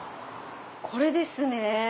これですね。